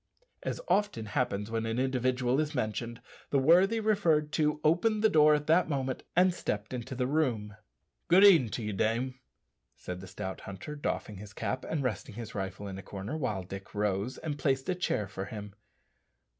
As often happens when an individual is mentioned, the worthy referred to opened the door at that moment and stepped into the room. "Good e'en t'ye, dame," said the stout hunter, doffing his cap, and resting his rifle in a corner, while Dick rose and placed a chair for him.